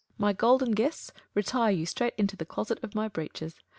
My golden guests retire you straight into The closet of my breeches.